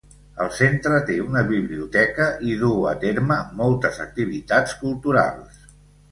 El centre té una biblioteca i duu a terme moltes activitats culturals.